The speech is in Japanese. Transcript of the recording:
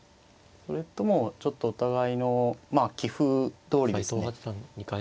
それともちょっとお互いの棋風どおりですね